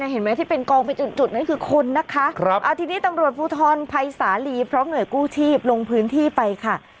เห็นไหมที่เป็นกองเป็นจุดนั้นคือคนนะคะทีนี้ตำรวจภูทรภัยสาลีพร้อมหน่วยกู้ชีพลงพื้นที่ไปค่ะ